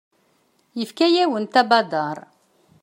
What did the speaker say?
Yefka-yawent abadaṛ.